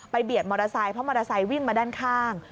เบียดมอเตอร์ไซค์เพราะมอเตอร์ไซค์วิ่งมาด้านข้าง